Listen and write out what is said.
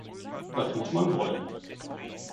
Das muss man wollen.